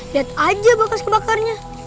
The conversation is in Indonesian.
lihat aja bekas kebakarnya